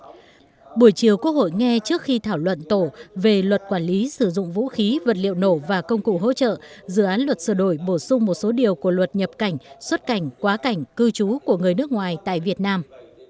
cụ thể trong phiên làm việc buổi sáng trước khi thảo luận tại tổ quốc hội nghe tờ trình và báo cáo thẩm tra về dự án luật sửa đổi bổ sung một số điều của luật nhập cảnh xuất cảnh quá cảnh cư trú của người nước ngoài tại việt nam